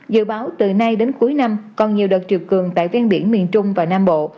dự báo từ nay đến cuối năm còn nhiều đợt triều cường tại ven biển miền trung và nam bộ